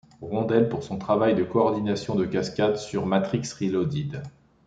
Rondell pour son travail de coordination de cascades sur Matrix Reloaded.